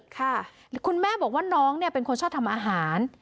ค่ะคุณแม่บอกว่าน้องเป็นคนชอบทำอาหาร